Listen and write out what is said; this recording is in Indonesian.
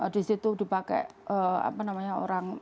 disitu dipakai apa namanya orang